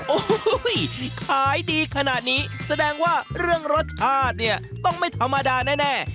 โอ้โหขายดีขนาดนี้แสดงว่าเรื่องรสชาติเนี่ยต้องไม่ธรรมดาแน่